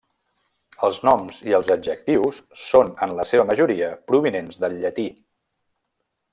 Els noms i els adjectius són en la seva majoria provinents del llatí.